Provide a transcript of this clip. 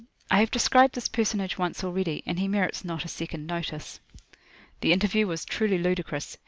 I have described this personage once already, and he merits not a second notice. The interview was truly ludicrous.